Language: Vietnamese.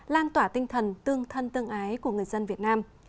lan tỏa tinh thần tương thân tương ái của người dân việt nam